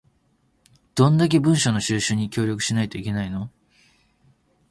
どんだけ文書の収集に協力しないといけないの